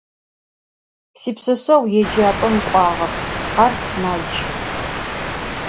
Sipşseşseğu yêcap'em k'uağep: ar sımac.